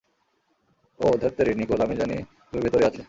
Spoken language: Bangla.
ওহ, ধ্যাত্তেরি, নিকোল, আমি জানি তুমি ভেতরেই আছো!